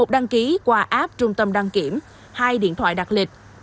một đăng ký qua app trung tâm đăng kiểm hai điện thoại đặt lịch